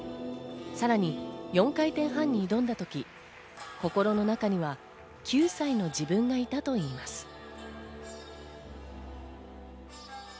さらに４回転半に挑んだ時、心の中には９歳の自分がいたといいます。